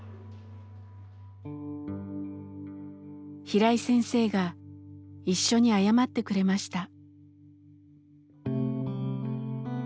平井先生が一緒に謝ってくれました。